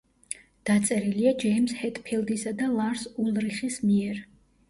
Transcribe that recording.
დაწერილია ჯეიმზ ჰეტფილდისა და ლარს ულრიხის მიერ.